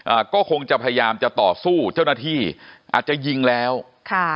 อ่าก็คงจะพยายามจะต่อสู้เจ้าหน้าที่อาจจะยิงแล้วค่ะ